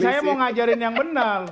saya mau ngajarin yang benar